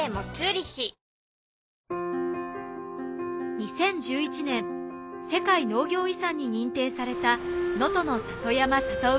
２０１１年世界農業遺産に認定された能登の里山里海。